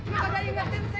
bagaimana ya tensi